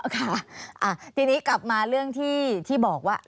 ค่ะทีนี้กลับมาเรื่องที่บอกว่า